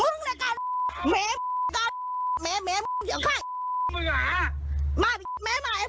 รู้หรือว่า